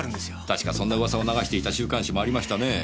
確かそんな噂を流していた週刊誌もありましたねぇ。